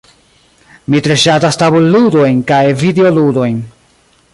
Mi tre ŝatas tabulludojn kaj videoludojn.